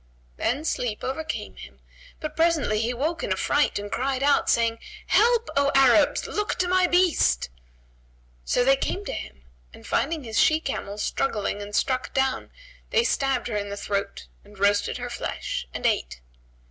Then sleep overcame him, but presently he awoke in affright and cried out, saying, "Help, O Arabs! Look to my beast!" So they came to him, and finding his she camel struggling and struck down, they stabbed her in the throat and roasted her flesh and ate.